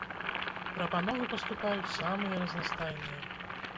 Прапановы паступаюць самыя разнастайныя.